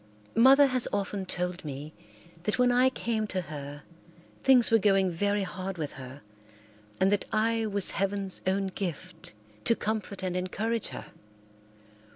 Mother has often told me that when I came to her things were going very hard with her and that I was heaven's own gift to comfort and encourage her.